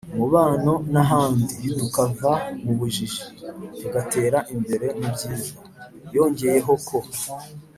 umubano n’ahandi; tukava mu bujiji, tugatera imbere mu byiza. yongeyeho ko